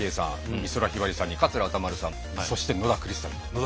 美空ひばりさんに桂歌丸さんそして野田クリスタル。